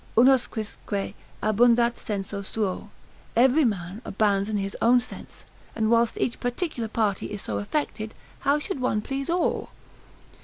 Unusquisque abundat sensu suo, every man abounds in his own sense; and whilst each particular party is so affected, how should one please all?